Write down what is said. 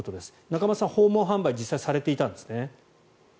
仲正さん、訪問販売は実際にされていたんですね。